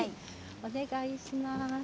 お願いします。